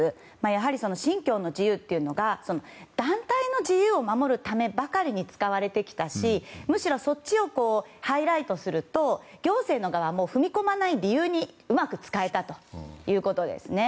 やはり信教の自由というのが団体の自由を守るためばかりに使われてきたしむしろそっちをハイライトすると行政の側も踏み込まない理由にうまく使えたということですね。